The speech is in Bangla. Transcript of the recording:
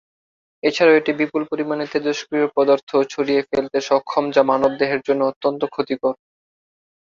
এছাড়াও এটি বিপুল পরিমাণে তেজস্ক্রিয় পদার্থ ছড়িয়ে ফেলতে সক্ষম যা মানবদেহের জন্য অত্যন্ত ক্ষতিকর।